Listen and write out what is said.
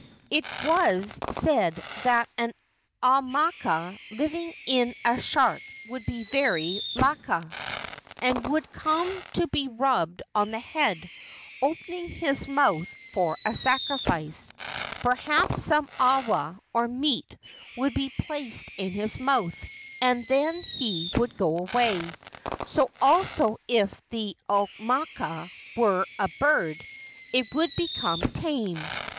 It was said that an aumakua living in a shark would be very laka, and would come to be rubbed on the head, opening his mouth for a sacrifice. Perhaps some awa, or meat, would be placed in his mouth, and then he would go away. So also if the au¬ makua were a bird, it would become tame.